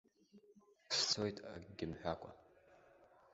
Сцоит акгьы мҳәа.